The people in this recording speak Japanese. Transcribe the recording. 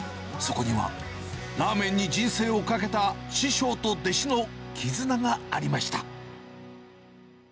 そこにはラーメンに人生を懸けた師匠と弟子の絆がありました。